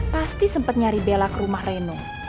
pasti sempat nyari bela ke rumah reno